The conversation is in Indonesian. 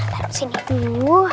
taruh disini dulu